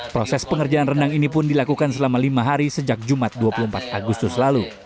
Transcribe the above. proses pengerjaan rendang ini pun dilakukan selama lima hari sejak jumat dua puluh empat agustus lalu